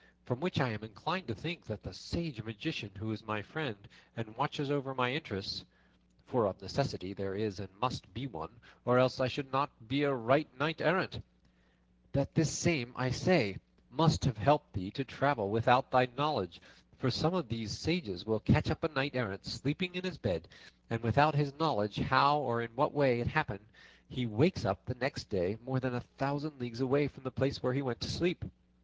From which I am inclined to think that the sage magician who is my friend, and watches over my interests (for of necessity there is and must be one, or else I should not be a right knight errant), that this same, I say, must have helped thee to travel without thy knowledge; for some of these sages will catch up a knight errant sleeping in his bed, and without his knowing how or in what way it happened, he wakes up the next day more than a thousand leagues away from the place where he went to sleep.